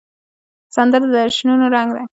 سندره د جشنونو رنګ ده